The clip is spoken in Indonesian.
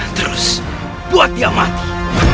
terus buat dia mati